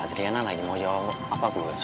adriana lagi mau jawab apa gue